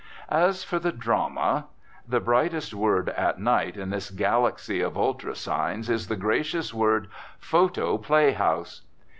As for the drama. The brightest word at night in this galaxy of ultra signs is the gracious word "Photo Play House."